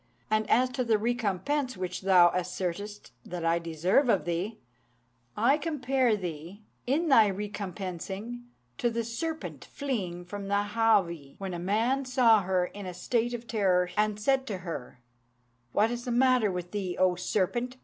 And as to the recompense which thou assertest that I deserve of thee, I compare thee, in thy recompensing, to the serpent fleeing from the Háwee, when a man saw her in a state of terror, and said to her, 'What is the matter with thee, O serpent?'